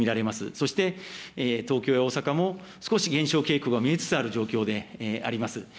そして東京や大阪も少し減少傾向が見えつつある状況であります。